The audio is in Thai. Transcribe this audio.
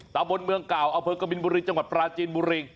ตามบนเมืองเก่าอเผิกกะบินบุริจังหวัดปราจีนบุริก